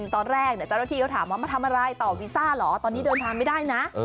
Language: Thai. ตอนแรกเจ้าหน้าที่เขาถามว่ามาทำอะไรต่อวีซ่าเหรอตอนนี้เดินทางไม่ได้นะ